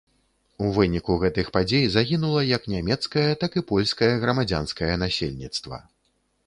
У выніку гэтых падзей загінула як нямецкае, так і польскае грамадзянскае насельніцтва.